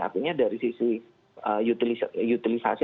artinya dari sisi utilisasi